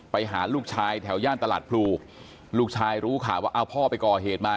ไปหาลูกชายแถวย่านตลาดพลูลูกชายรู้ข่าวว่าเอาพ่อไปก่อเหตุมา